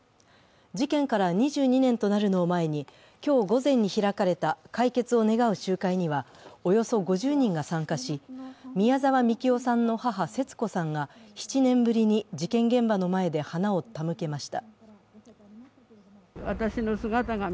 事件から２２年となるのを前に今日午前に開かれた解決を願う集会にはおよそ５０人が参加し宮沢みきおさんの母、節子さんが７年ぶりに事件現場の前で花を手向けました。